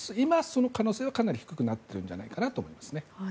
その可能性はかなり低くなっているんじゃないかと思います。